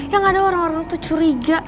yang ada orang orang tuh curiga